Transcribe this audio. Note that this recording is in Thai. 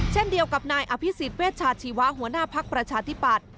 เช่นเดียวกับนายอภิษฎเวชาชีวะหัวหน้าภักดิ์ประชาธิปัตย